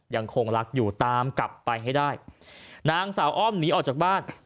ยังคงรักอยู่ตามกลับไปให้ได้นางสาวอ้อมหนีออกจากบ้าน